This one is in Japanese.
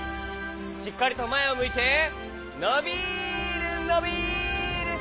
しっかりとまえをむいてのびるのびるストップ！